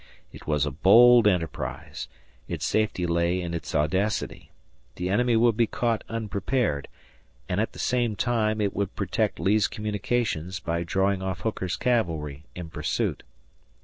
It was a bold enterprise its safety lay in its audacity the enemy would be caught unprepared, and at the same time it would protect Lee's communications by drawing off Hooker's cavalry in pursuit.